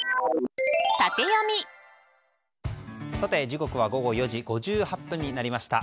時刻は午後４時５８分になりました。